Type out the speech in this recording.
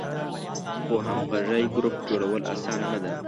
خو همغږی ګروپ جوړول آسانه نه ده.